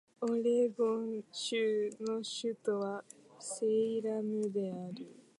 オレゴン州の州都はセイラムである